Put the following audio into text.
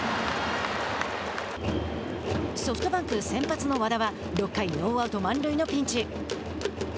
ソフトバンク、先発の和田は６回、ノーアウト、満塁のピンチ。